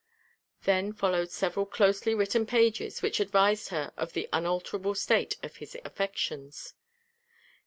Then followed several closely written pages which advised her of the unalterable state of his affections.